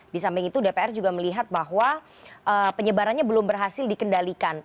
di samping itu dpr juga melihat bahwa penyebarannya belum berhasil dikendalikan